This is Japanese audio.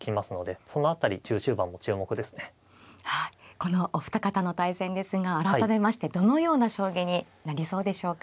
このお二方の対戦ですが改めましてどのような将棋になりそうでしょうか。